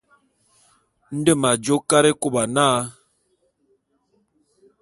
Nde m'ajô Karekôba na.